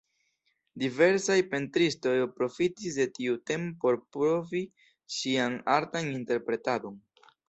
Diversaj pentristoj profitis de tiu temo por pruvi sian artan interpretadon.